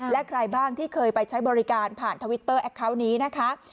และใครบ้างที่เคยไปใช้บริการผ่านทวิตเตอร์แอคเคาน์นี้นะคะ